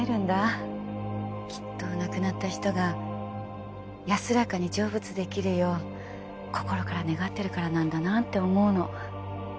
きっと亡くなった人が安らかに成仏できるよう心から願ってるからなんだなって思うの。